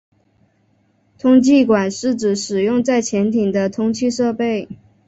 通气管是指使用在潜艇的通气设备。